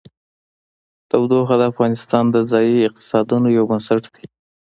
تودوخه د افغانستان د ځایي اقتصادونو یو بنسټ دی.